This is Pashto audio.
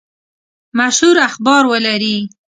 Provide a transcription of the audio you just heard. مشهور اخبار ولري.